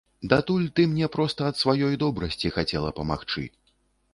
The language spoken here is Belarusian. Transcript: Датуль ты мне проста ад сваёй добрасці хацела памагчы.